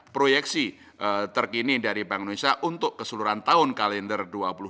proyeksi terkini dari bank indonesia untuk keseluruhan tahun kalender dua puluh dua